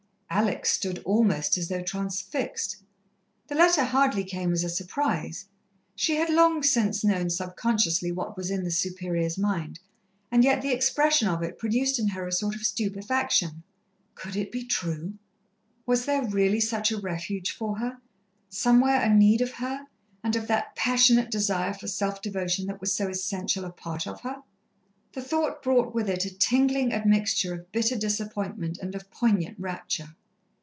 Alex stood almost as though transfixed. The letter hardly came as a surprise. She had long since known subconsciously what was in the Superior's mind, and yet the expression of it produced in her a sort of stupefaction. Could it be true? Was there really such a refuge for her, somewhere a need of her, and of that passionate desire for self devotion that was so essential a part of her? The thought brought with it a tingling admixture of bitter disappointment and of poignant rapture.